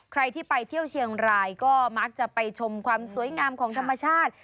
ใครที่ไปเที่ยวเชียงรายก็มักจะไปชมความสวยงามของธรรมชาติ